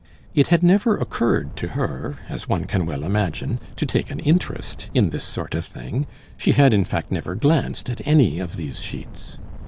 It had never occurred to her, as one can well imagine, to take an interest in this sort of thing; she had in fact never glanced at any of these sheets.